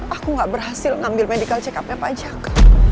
aku gak berhasil ngambil medical check upnya pajak